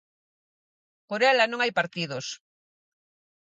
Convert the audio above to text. Por ela non hai partidos.